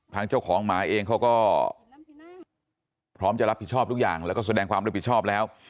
ทางเจ้าของหมาเองเขาก็พร้อมจะรับผิดชอบทุกอย่างแล้วก็แสดงความรับผิดชอบแล้ว